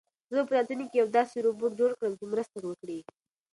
زه به په راتلونکي کې یو داسې روبوټ جوړ کړم چې مرسته وکړي.